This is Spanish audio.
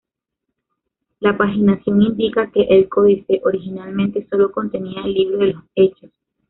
La paginación indica que el códice originalmente solo contenía el libro de los Hechos.